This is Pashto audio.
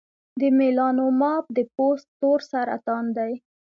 د میلانوما د پوست تور سرطان دی.